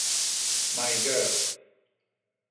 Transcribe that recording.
My Girl